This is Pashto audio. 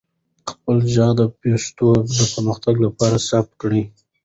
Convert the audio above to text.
خپل ږغ د پښتو د پرمختګ لپاره ثبت کړئ.